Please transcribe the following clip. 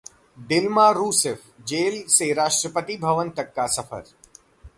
Dilma Rousseff: jail से राष्ट्रपति भवन तक का सफर